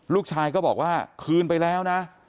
ลูกชายก็บอกว่าคืนไปแล้วนะ